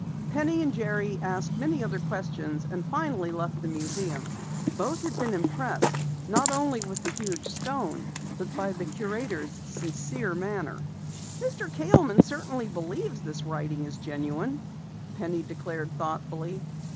Penny and Jerry asked many other questions, and finally left the museum. Both had been impressed not only with the huge stone but by the curator's sincere manner. "Mr. Kaleman certainly believes the writing is genuine," Penny declared thoughtfully.